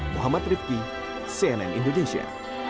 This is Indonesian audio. muhammad rifqi cnn indonesia